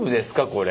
これ。